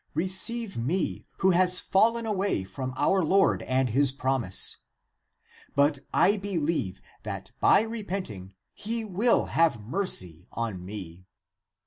Receive me, who has fallen away from our Lord and his promise. But I believe that by repenting he will have mercy on me.